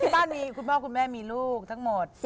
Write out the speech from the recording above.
บ้านนี้คุณพ่อคุณแม่มีลูกทั้งหมด